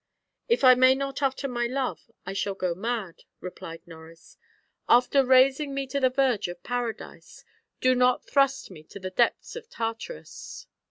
"If I may not utter my love I shall go mad," replied Norris. "After raising me to the verge of Paradise, do not thrust me to the depths of Tartarus."